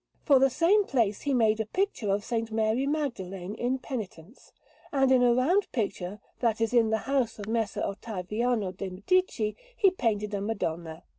For the same place he made a picture of S. Mary Magdalene in Penitence; and in a round picture that is in the house of Messer Ottaviano de' Medici he painted a Madonna.